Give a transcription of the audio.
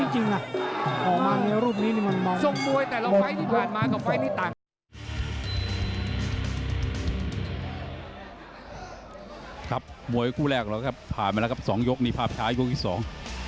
จริงละออกมาในรูปนี้มันมอง